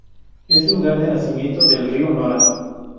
Es lugar de nacimiento del Río Nora.